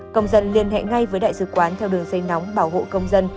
công dân liên hệ ngay với đại sứ quán theo đường dây nóng bảo hộ công dân